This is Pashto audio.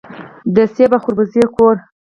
د مڼې او خربوزې کور.